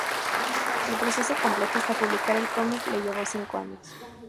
El proceso completo, hasta publicar el cómic, le llevó cinco años.